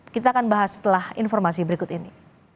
kita akan bahas setelah informasi berikut ini